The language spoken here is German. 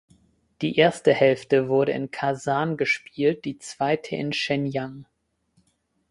Die erste Hälfte wurde in Kasan gespielt, die zweite in Shenyang.